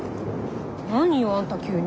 何よあんた急に。